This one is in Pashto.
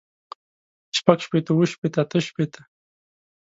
شپږ شپېته اووه شپېته اتۀ شپېته